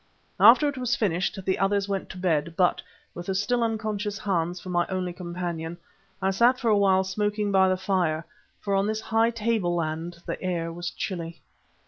After it was finished the others went to bed but, with the still unconscious Hans for my only companion, I sat for a while smoking by the fire, for on this high tableland the air was chilly.